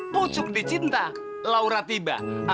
pucuk di cinta laura tiba